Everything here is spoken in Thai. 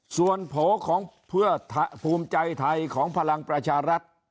ส่วนโผล่ของเพื่อภูมิใจไทยของพลังประชารัฐ